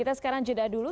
kita sekarang jeda dulu